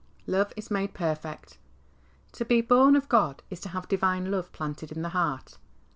Love is made perfect. To be born of God is to have Divine love planted in the heart.